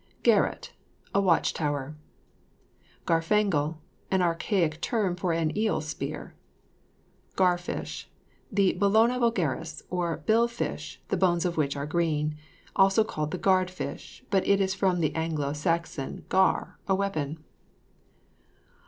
GARETTE. A watch tower. GARFANGLE. An archaic term for an eel spear. GAR FISH. The Belone vulgaris, or bill fish, the bones of which are green. Also called the guard fish, but it is from the Anglo Saxon gar, a weapon.